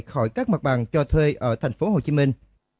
khỏi các mặt bằng cho thuê ở thành phố hồ chí minh